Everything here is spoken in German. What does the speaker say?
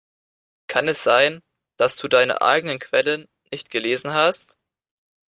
Kann es sein, dass du deine eigenen Quellen nicht gelesen hast?